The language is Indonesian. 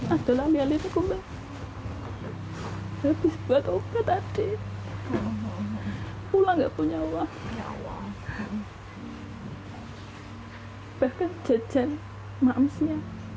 adalah lilin kumpul habis buat obat adik pulang nggak punya uang